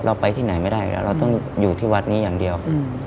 ไปที่ไหนไม่ได้แล้วเราต้องอยู่ที่วัดนี้อย่างเดียว